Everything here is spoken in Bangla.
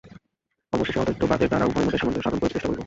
অবশেষে অদ্বৈতবাদের দ্বারা উভয় মতের সামঞ্জস্য সাধন করিতে চেষ্টা করিব।